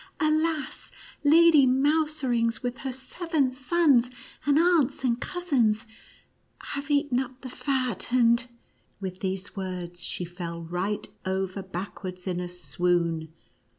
Alas ! Lady Mouserings with her seven sons, and aunts and cousins, have eaten up the fat, and —" with these words she fell right over backwards in a swoon.